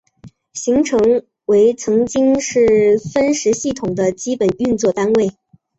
行程为曾经是分时系统的基本运作单位。